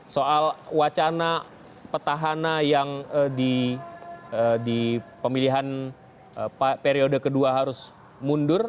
soal wacana petahana yang di pemilihan periode kedua harus mundur